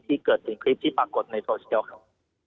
เกิดถึงคลิปที่ปรากฏในโซเชียลครับ